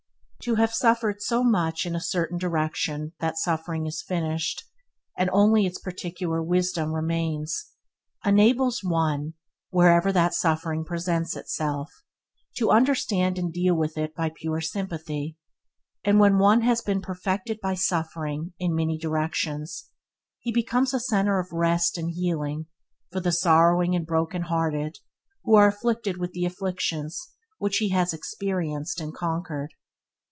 To have suffered so much in a certain direction that the suffering is finished, and only its particular wisdom remains, enables one, wherever that suffering presents itself, to understand and deal with it by pure sympathy; and when one has been "perfected by suffering" in many directions, he becomes a centre of rest and healing for the sorrowing and broken hearted who are afflicted with the affections which he has experienced and conquered.